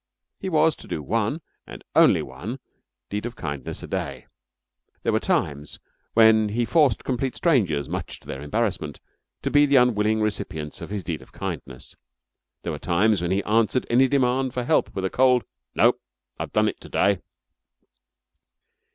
He was to do one (and one only) deed of kindness a day. There were times when he forced complete strangers, much to their embarrassment, to be the unwilling recipients of his deed of kindness. There were times when he answered any demand for help with a cold: "No, I've done it to day."